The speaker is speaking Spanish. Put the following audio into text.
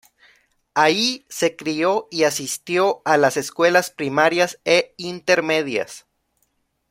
Allí se crio y asistió a las escuelas primarias e intermedias.